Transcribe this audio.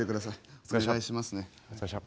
お願いしますね。